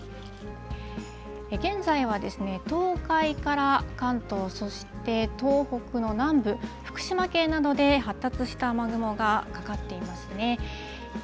現在は、東海から関東、そして東北の南部、福島県などで、発達した雨雲がかかっていますね。